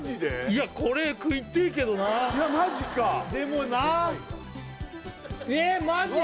いやこれ食いてえけどないやマジかでもなえっマジ！？